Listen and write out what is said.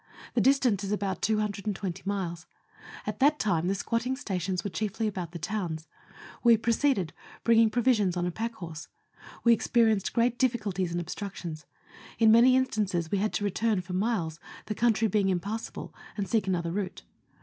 The distance is about 220 miles. At that time the squatting stations were chiefly about the towns. We proceeded, bringing provisions on a pack horse. We experienced great difficulties and obstructions. In many instances we had to return for miles, the country being impassable, and seek another route.